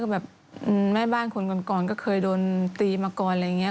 แบบแม่บ้านคนก่อนก็เคยโดนตีมาก่อนอะไรอย่างนี้